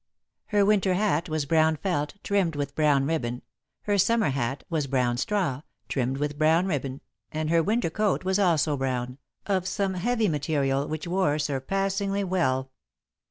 Her Winter hat was brown felt, trimmed with brown ribbon, her Summer hat was brown straw, trimmed with brown ribbon, and her Winter coat was also brown, of some heavy material which wore surpassingly well.